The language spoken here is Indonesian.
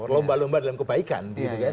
lomba lomba dalam kebaikan